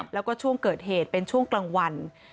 แล้วก็ช่วงเกิดเหตุเป็นช่วงกลางวัน